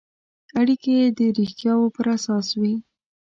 اړیکې یې د رښتیاوو پر اساس وي.